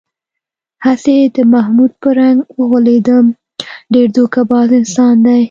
هسې د محمود په رنگ و غولېدم، ډېر دوکه باز انسان دی.